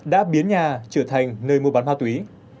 đã biến nhà trở thành nơi mua bán ma túy